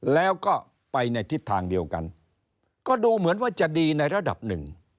แล้วก็ไปในทิศทางเดียวกันก็ดูเหมือนว่าจะดีในระดับหนึ่ง